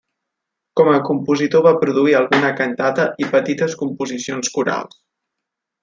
Com a compositor va produir alguna cantata i petites composicions corals.